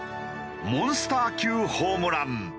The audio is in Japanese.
モンスター級ホームラン。